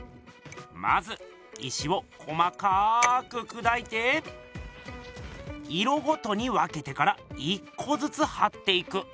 まず石を細かくくだいて色ごとに分けてから１こずつはっていく。